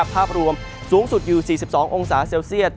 ภาพรวมสูงสุดอยู่๔๒องศาเซลเซียต